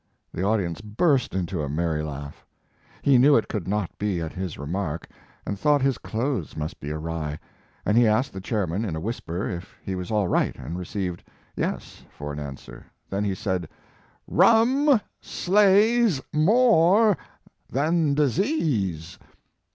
The audience burst into a merry laugh. He knew it could not be at his remark, and thought his clothes must be awry, and he asked the chairman, in a whisper, if he was all right, and received "yes" for an answer. Then he said: "Rum slays more than disease